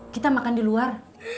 kita makan di luar